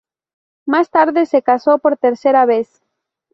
Más tarde se casó por tercera vez.